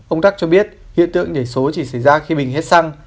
ông rắc cho biết hiện tượng nhảy số chỉ xảy ra khi bình hết xăng